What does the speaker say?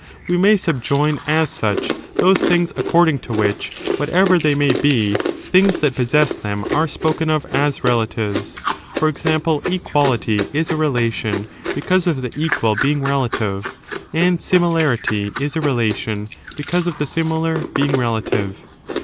We may sub join, as such, those things according to which, whatever they may be, things that possess them are spoken of as relatives; for example, equality is a relation because of the equal being relative, and similarity is a relation because of the similar being relative.